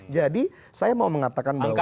jadi saya mau mengatakan bahwa